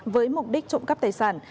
với mục đích trộm cắp tài sản